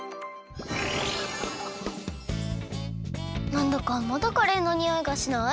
なんだかまだカレーのにおいがしない？